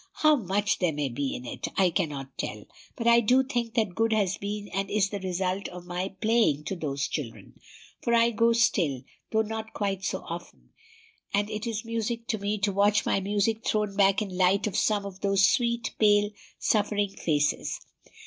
How much there may be in it, I cannot tell; but I do think that good has been and is the result of my playing to those children; for I go still, though not quite so often, and it is music to me to watch my music thrown back in light from some of those sweet, pale, suffering faces.